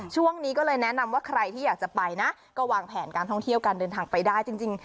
ช่วงนี้ก็เลยแนะนำว่าใครที่อยากจะไปนะก็วางแผนการท่องเที่ยวการเดินทางไปได้จริง